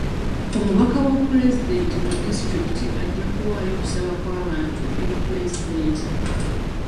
Omubaka wa pulezidenti mu disitulikiti ajja kuwaayo okusaba kw'abantu eri pulezidenti.